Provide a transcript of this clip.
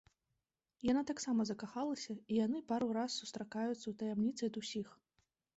Яна таксама закахалася, і яны пару раз сустракаюцца ў таямніцы ад усіх.